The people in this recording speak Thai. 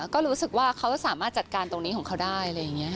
ก็รู้สึกว่าเขาสามารถจัดการตรงนี้ของเขาได้